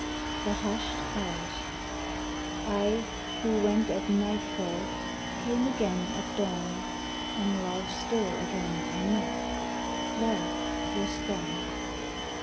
THE HUSHED HOUSE I, who went at nightfall, came again at dawn; On Love's door again I knocked. Love was gone.